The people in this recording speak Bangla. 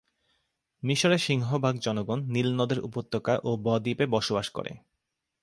মিশরের সিংহভাগ জনগণ নীল নদের উপত্যকা ও ব-দ্বীপে বাস করে।